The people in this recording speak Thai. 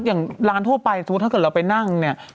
อย่างร้านทั่วไปสมมุติถ้าเกิดเราไปนั่งเนี่ย